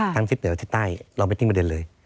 ทั้งที่เหนือและที่ใต้เราไม่ทิ้งไปเดินเลย